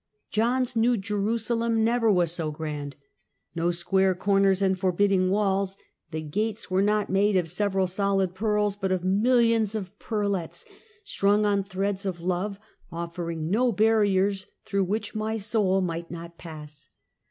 John's New Jerusalem never was so grand! No square corners and forbidding walls. The gates were not made of several solid pearls, but of millions of pearletts, strung on threads of love, offering no barriers through which any soul might not pass.